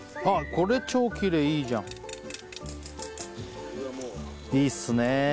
これ超キレイいいじゃんいいっすね